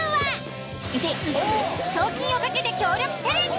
賞金を懸けて協力チャレンジ。